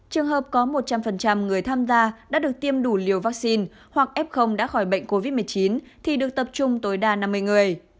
trường hợp có một trăm linh người tham gia đã được tiêm đủ liều vaccine hoặc f đã khỏi bệnh covid một mươi chín thì được tập trung tối đa năm mươi người